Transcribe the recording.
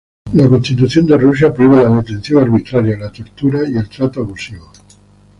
La constitución de Rusia prohíbe la detención arbitraria, la tortura y al trato abusivo.